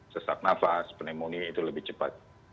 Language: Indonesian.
sesak nafas pneumonia itu lebih cepat